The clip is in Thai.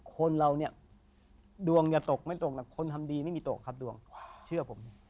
คนเราเนี่ยดวงอย่าตกไม่ตกหรอกคนทำดีไม่มีตกครับดวงเชื่อผม